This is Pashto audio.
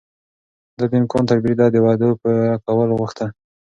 ده د امکان تر بريده د وعدو پوره کول غوښتل.